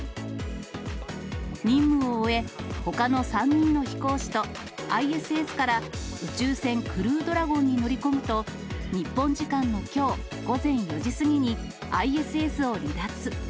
任務を終え、ほかの３人の飛行士と、ＩＳＳから宇宙船クルードラゴンに乗り込むと、日本時間のきょう午前４時過ぎにＩＳＳを離脱。